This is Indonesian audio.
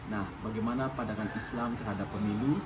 nah bagaimana pandangan islam terhadap pemilu